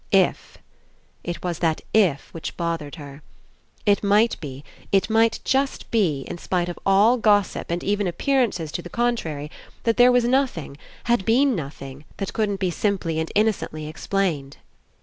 Iff It was that "if" which bothered her. It might be, it might just be, in spite of all gos sip and even appearances to the contrary, that there was nothing, had been nothing, that couldn't be simply and innocently explained.